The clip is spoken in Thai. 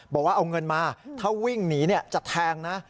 บอกว่าเอาเงินมาถ้าวิ่งหนีจะแทงนะ